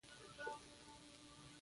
مړه د مینې سرڅینه وه